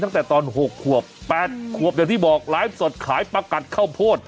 ตั้งแต่ตอน๖ขวบ๘ขวบอย่างที่บอกไลฟ์สดขายประกัดข้าวโพด